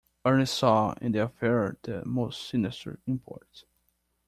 Ernest saw in the affair the most sinister import.